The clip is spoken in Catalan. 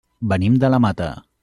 Venim de la Mata.